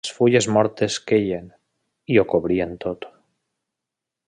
Les fulles mortes queien i ho cobrien tot.